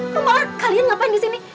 kamu malah kalian ngapain disini